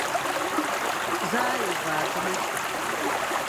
Za a ye van adzo di ?